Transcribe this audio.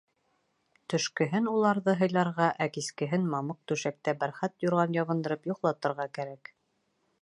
Төшкөһөн уларҙы һыйларға, ә кискеһен мамыҡ түшәктә бәрхәт юрған ябындырып йоҡлатырға кәрәк.